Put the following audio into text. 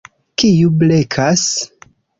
Kiu blekas?